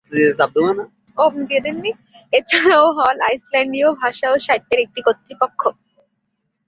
এছাড়াও হল আইসল্যান্ডীয় ভাষা ও সাহিত্যের একটি কর্তৃপক্ষ।